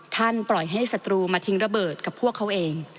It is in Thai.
ปล่อยให้ศัตรูมาทิ้งระเบิดกับพวกเขาเอง